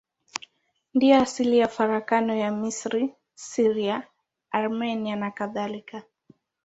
Ndiyo asili ya farakano la Misri, Syria, Armenia nakadhalika.